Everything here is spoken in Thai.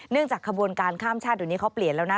เนื่องจากขบวนการข้ามชาติตอนนี้เขาเปลี่ยนแล้วนะ